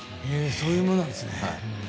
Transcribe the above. そういうものなんですね。